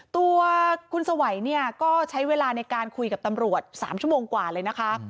ตัวคุณสวัยเนี่ยก็ใช้เวลาในการคุยกับตำรวจ๓ชั่วโมงกว่าเลยนะคะ